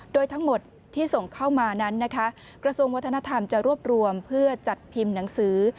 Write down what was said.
โดยทั้งหมดที่ส่งเข้ามานั้นนะคะกระทรวงวัฒนธรรมจะรวบรวมเพื่อจัดพิมพ์หนังสือ